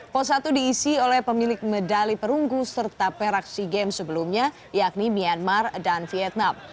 pot satu diisi oleh pemilik medali perunggu serta peraksi game sebelumnya yakni myanmar dan vietnam